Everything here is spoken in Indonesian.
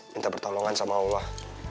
minta pertolongan sama allah